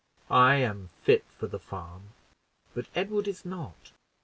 I am fit for the farm, but Edward is not.